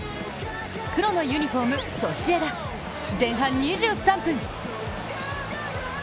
黒のユニフォーム・ソシエダ。前半２３分。